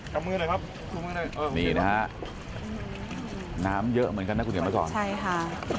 เอามือหน่อยครับนี่นะฮะน้ำเยอะเหมือนกันนะคุณเขียนมาสอนใช่ค่ะ